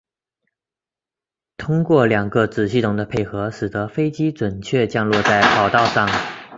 通过两个子系统的配合使得飞机准确降落在跑道上。